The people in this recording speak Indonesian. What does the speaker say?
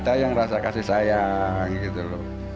ada yang rasa kasih sayang gitu loh